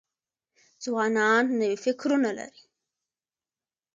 ځوانان نوي فکرونه لري.